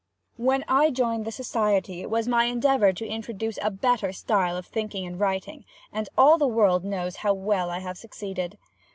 ] When I joined the society it was my endeavor to introduce a better style of thinking and writing, and all the world knows how well I have succeeded.